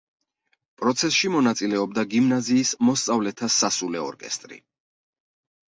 პროცესში მონაწილეობდა გიმნაზიის მოსწავლეთა სასულე ორკესტრი.